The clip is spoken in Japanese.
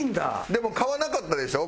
でも買わなかったでしょ？